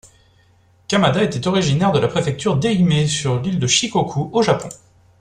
Kamada était originaire de la préfecture d'Ehime, sur l'île de Shikoku, au Japon.